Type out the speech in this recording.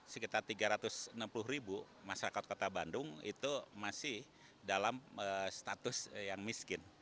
sekitar tiga ratus enam puluh ribu masyarakat kota bandung itu masih dalam status yang miskin